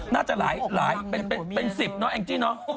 น่าจะหลายหลายเป็นสิบเนอะแองจี้เนอะ